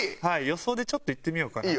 予想でちょっといってみようかな。